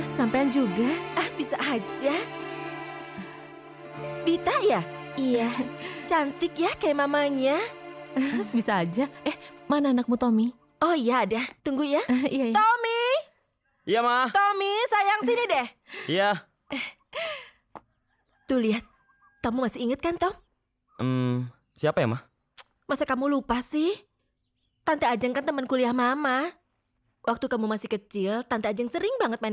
sampai jumpa di video selanjutnya